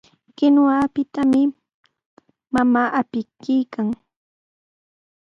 Kinuwapitami mamaa apikuykan.